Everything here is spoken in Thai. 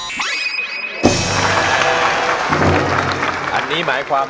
เพลงที่๒มาเลยครับ